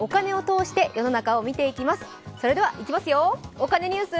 お金ニュース」。